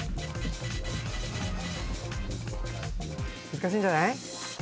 難しいんじゃない？